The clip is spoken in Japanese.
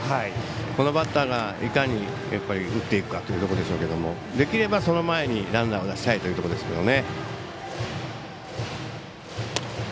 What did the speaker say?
このバッターらが、いかに打っていくかということですができれば、その前にランナーを出したいところですね。